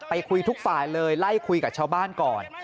คุยทุกฝ่ายเลยไล่คุยกับชาวบ้านก่อน